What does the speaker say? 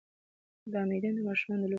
دا میدان د ماشومانو د لوبو لپاره جوړ شوی دی.